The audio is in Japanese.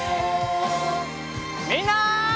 みんな。